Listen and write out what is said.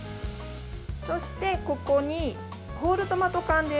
そして、ここにホールトマト缶です。